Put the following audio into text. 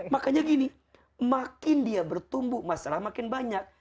makanya gini makin dia bertumbuh masalah makin banyak